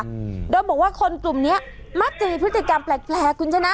อืมโดยบอกว่าคนกลุ่มเนี้ยมักจะมีพฤติกรรมแปลกแปลกคุณชนะ